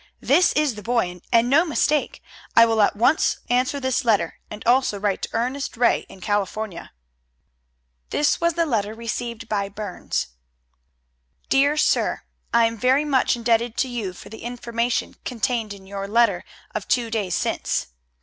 "This is the boy and no mistake. I will at once answer this letter, and also write to Ernest Ray in California." This was the letter received by Burns: Dear Sir: I am very much indebted to you for the information contained in your letter of two days since.